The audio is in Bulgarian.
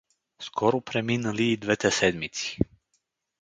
Скоро преминали и двете седмици.